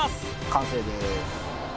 完成です